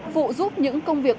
phụ giúp những công việc